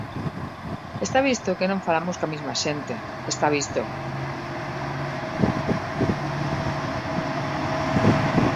Está visto que non falamos coa mesma xente, está visto.